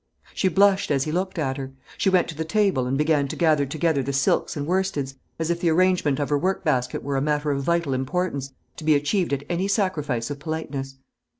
She blushed as he looked at her. She went to the table and began to gather together the silks and worsteds, as if the arrangement of her workbasket were a matter of vital importance, to be achieved at any sacrifice of politeness.